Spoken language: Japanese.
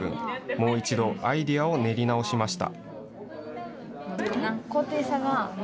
もう一度、アイデアを練り直しました。